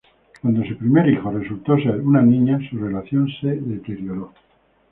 Cuando su primer hijo resultó ser una niña, su relación se deterioró.